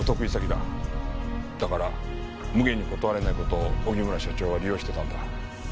だからむげに断れない事を荻村社長は利用してたんだ。